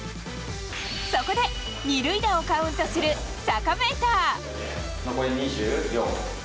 そこで２塁打をカウントするサカメーター。